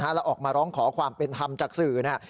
แล้วออกมาร้องขอความเป็นธรรมจากสื่อ